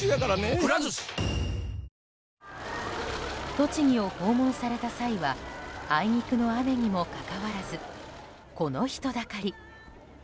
栃木を訪問された際はあいにくの雨にもかかわらずこの人だかり。